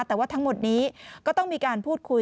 แต่ว่าทั้งหมดนี้ก็ต้องมีการพูดคุย